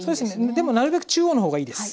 でもなるべく中央の方がいいです。